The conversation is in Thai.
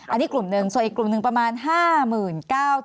อันนี้กลุ่มหนึ่งส่วนอีกกลุ่มหนึ่งประมาณ๕๙๐๐